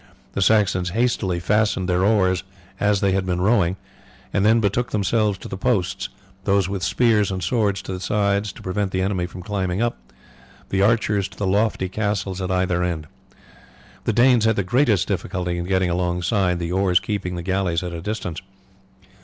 The Saxons hastily fastened their oars as they had been rowing and then betook themselves to their posts, those with spears and swords to the sides to prevent the enemy from climbing up, the archers to the lofty castles at either end. The Danes had the greatest difficulty in getting alongside, the oars keeping the galleys at a distance.